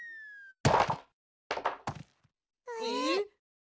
えっ？